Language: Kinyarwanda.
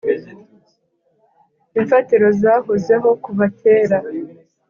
imfatiro zahozeho kuva kera